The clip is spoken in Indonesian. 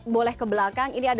boleh ke belakang